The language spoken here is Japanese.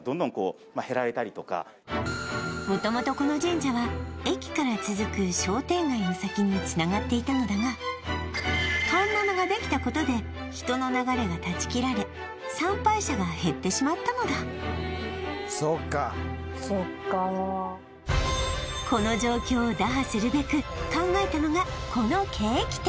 もともとこの神社は駅から続く商店街の先につながっていたのだが環七ができたことで人の流れが断ち切られ参拝者が減ってしまったのだそうかそっかこの状況を打破するべく考えたのがこのケーキ店